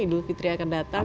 idul fitri akan datang